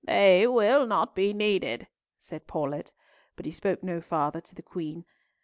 "They will not be needed," said Paulett, but he spoke no farther to the Queen.